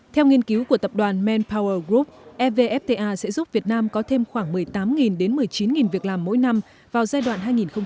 theo nghiên cứu của tập đoàn manpower group evfta sẽ giúp việt nam có thêm khoảng một mươi tám đến một mươi chín việc làm mỗi năm vào giai đoạn hai nghìn hai mươi một hai nghìn ba mươi